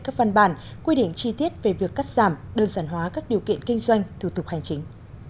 các văn bản quy định chi tiết về việc cắt giảm đơn giản hóa các điều kiện kinh doanh thủ tục hành chính